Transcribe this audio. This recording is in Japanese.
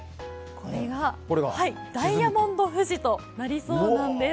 これがダイヤモンド富士となりそうなんです。